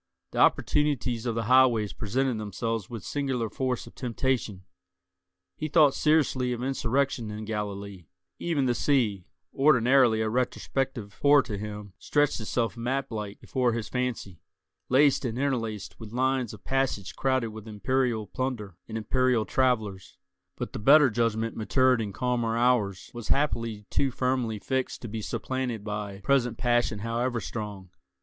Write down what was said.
The opportunities of the highways presented themselves with singular force of temptation; he thought seriously of insurrection in Galilee; even the sea, ordinarily a retrospective horror to him, stretched itself map like before his fancy, laced and interlaced with lines of passage crowded with imperial plunder and imperial travellers; but the better judgment matured in calmer hours was happily too firmly fixed to be supplanted by present passion however strong.